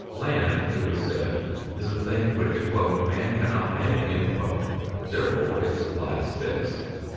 Land, it was said, is a thing which "man cannot make," therefore its supply is fixed.